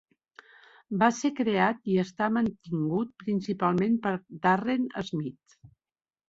Va ser creat i està mantingut principalment per Darren Smith.